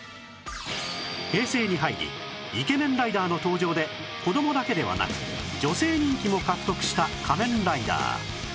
平成に入りイケメンライダーの登場で子供だけではなく女性人気も獲得した『仮面ライダー』